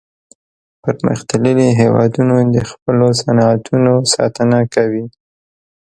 پرمختللي هیوادونه د خپلو صنعتونو ساتنه کوي